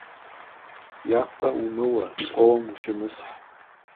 Япэ умыуэ, къоуэм ущымысхь.